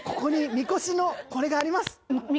「神輿のこれがあります」？